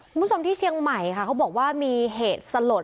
คุณผู้ชมที่เชียงใหม่ค่ะเขาบอกว่ามีเหตุสลด